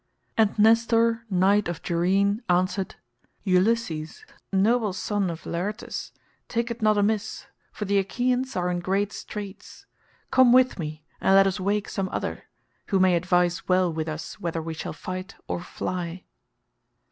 And Nestor knight of Gerene answered, "Ulysses, noble son of Laertes, take it not amiss, for the Achaeans are in great straits. Come with me and let us wake some other, who may advise well with us whether we shall fight or fly."